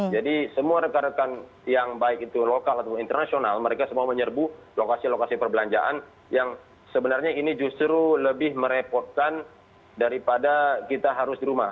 jadi semua rekan rekan yang baik itu lokal atau internasional mereka semua menyerbu lokasi lokasi perbelanjaan yang sebenarnya ini justru lebih merepotkan daripada kita harus di rumah